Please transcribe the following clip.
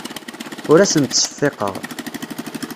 Ur asen-ttseffiqeɣ.